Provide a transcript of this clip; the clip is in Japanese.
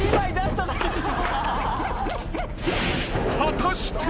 ［果たして］